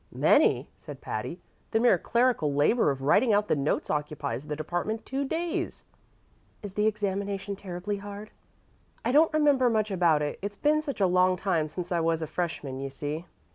"Many!" said Patty. "The mere clerical labor of writing out the notes occupies the department two days." "Is the examination terribly hard?" "I don't remember much about it. It's been such a long time since I was a freshman, you see.